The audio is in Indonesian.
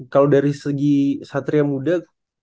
kalau dari segi satria muda